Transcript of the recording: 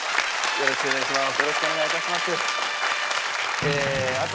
よろしくお願いします！